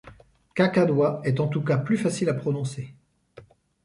Caca d'oie est en tous cas plus facile à prononcer.